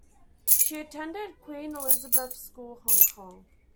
She attended Queen Elizabeth School, Hong Kong.